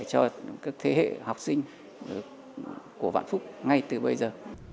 cho các thế hệ học sinh của vạn phúc ngay từ bây giờ